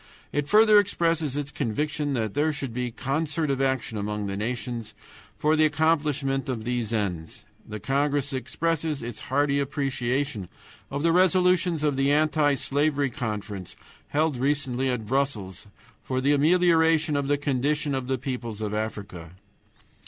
It further expresses its conviction that there should be concert of action among the nations for the accomplishment of these ends. The congress expresses its hearty appreciation of the resolutions of the Anti slavery Conference held recently at Brussels for the amelioration of the condition of the peoples of Africa.